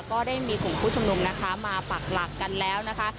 ก็ได้มีกลุ่มผู้ชุมนุมนะคะมาปักหลักกันแล้วนะคะ